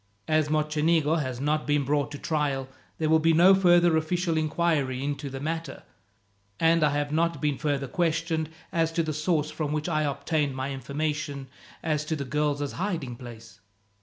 As Mocenigo has not been brought to trial, there will be no further official inquiry into the matter, and I have not been further questioned as to the source from which I obtained my information as to the girls' hiding place.